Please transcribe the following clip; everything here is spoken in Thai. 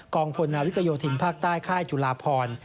พลนาวิกโยธินภาคใต้ค่ายจุลาพร